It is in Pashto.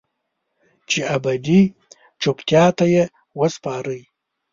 چې ابدي چوپتیا ته یې وسپارئ